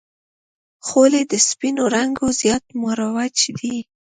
خولۍ د سپینو رنګو زیات مروج دی.